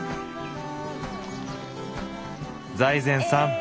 財前さん